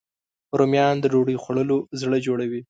رومیان د ډوډۍ خوړلو زړه جوړوي